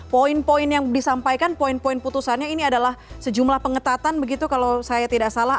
poin poin yang disampaikan poin poin putusannya ini adalah sejumlah pengetatan begitu kalau saya tidak salah